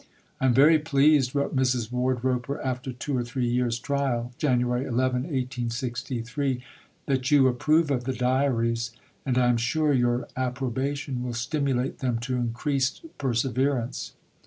"I am very pleased," wrote Mrs. Wardroper, after two or three years' trial (Jan. 11, 1863), "that you approve of the diaries, and I am sure your approbation will stimulate them to increased perseverance."